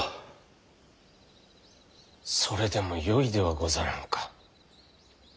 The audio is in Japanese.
それでもよいではござらんか。